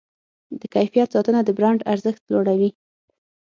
د کیفیت ساتنه د برانډ ارزښت لوړوي.